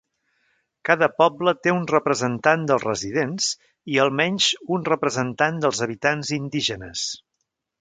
Cada poble té un representant dels residents i almenys un representant dels habitants indígenes.